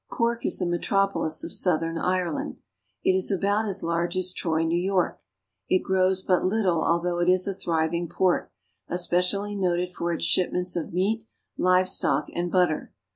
Cork is the metropolis of southern Ireland. It is about as large as Troy, New York. It grows but little although it is a thriving port, especially noted for its shipments of meat, live stock, and butter.